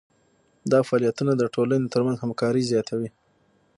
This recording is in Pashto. دا فعالیتونه د ټولنې ترمنځ همکاري زیاتوي.